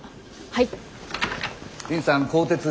はい。